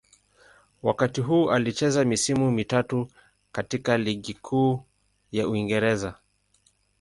Wakati huu alicheza misimu mitatu katika Ligi Kuu ya Uingereza.